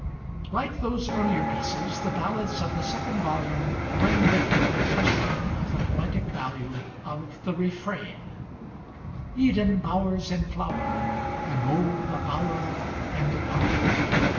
Like those earlier pieces, the ballads of the second volume bring with them the question of the poetic value of the "refrain" Eden bower's in flower: And O the bower and the hour!